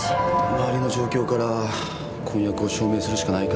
周りの状況から婚約を証明するしかないか。